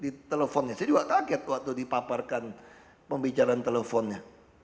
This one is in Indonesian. di teleponnya saya juga kaget waktu dipaparkan pembicaraan teleponnya